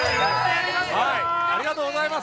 ありがとうございます。